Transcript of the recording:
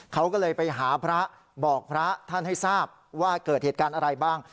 เขาก็เลยไปหาพระบอกพระท่านให้ทราบว่าเกิดเหตุการณ์อะไรบ้าง